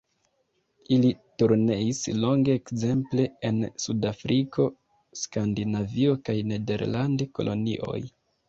Ili turneis longe ekzemple en Sudafriko, Skandinavio kaj nederlandaj kolonioj.